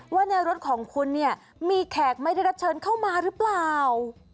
ว่าในรถของคุณเนี่ยมีแขกไม่ได้รับเชิญเข้ามาหรือเปล่า